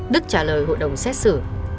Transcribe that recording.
đức trả lời hội đồng xét xử